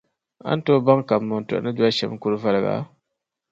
A ni tooi baŋ kambɔntɔha ni doli shɛm n-kur’ valiga?